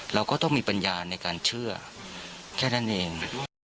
เราก็ต้องมีปัญญาในการเชื่อแค่นั้นเอง